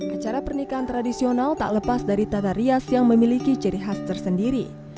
acara pernikahan tradisional tak lepas dari tata rias yang memiliki ciri khas tersendiri